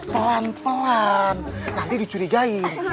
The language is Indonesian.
pelan pelan nanti dicurigai